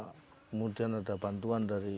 kemudian ada bantuan dari